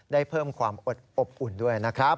ได้เพิ่มความอดอบอุ่นด้วยนะครับ